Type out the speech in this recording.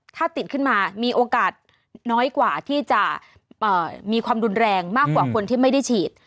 ถ้าติดขึ้นมามีโอกาสน้อยกว่าที่จะมีความรุนแรงมากกว่าคนที่ไม่ได้ฉีด